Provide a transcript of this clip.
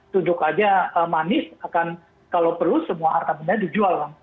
tunjuk aja manis akan kalau perlu semua harta benda dijual